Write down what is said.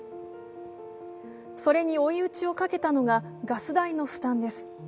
それに追い打ちをかけたのがガス代の負担です。